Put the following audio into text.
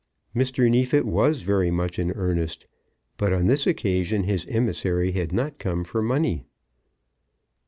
Mr. Neefit was very much in earnest; but on this occasion his emissary had not come for money.